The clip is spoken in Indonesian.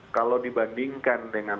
kalau dibandingkan dengan